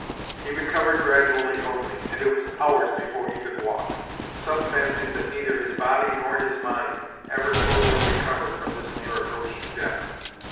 He recovered gradually only, and it was hours before he could walk. Some fancied that neither his body, nor his mind, ever totally recovered from this near approach to death.